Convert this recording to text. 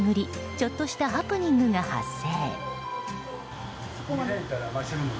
ちょっとしたハプニングが発生。